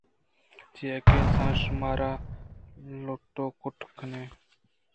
چیاکہ اِنسان شُما را لٹّ ءُ کُٹٛ کن اَنت